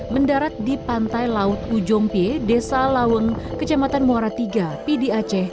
mendarat di pantai laut ujong pie desa laweng kecamatan muara iii pdac